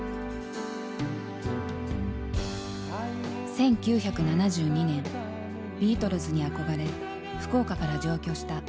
１９７２年ビートルズに憧れ福岡から上京したＴＵＬＩＰ。